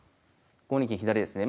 ５二金左ですね。